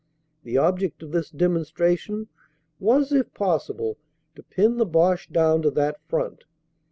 The object of this demonstration was if possible to pin the Boche down to that front.